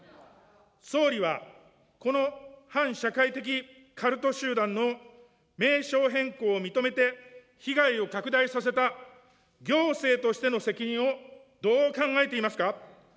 総理は、この反社会的カルト集団の名称変更を認めて被害を拡大させた、行政としての責任をどう考えていますか。